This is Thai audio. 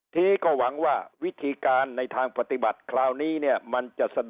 ทีนี้ก็หวังว่าวิธีการในทางปฏิบัติคราวนี้เนี่ยมันจะสะดุด